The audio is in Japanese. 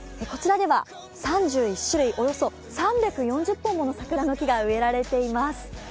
こちらでは３１種類、およそ３４０本もの桜の木が植えられています。